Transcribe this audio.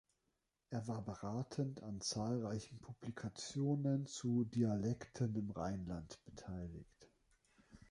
Er war beratend an zahlreichen Publikationen zu Dialekten im Rheinland beteiligt.